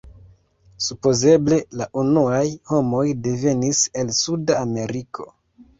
Supozeble la unuaj homoj devenis el Suda Ameriko.